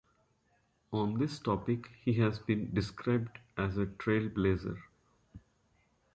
On this topic he has been described as a trailblazer.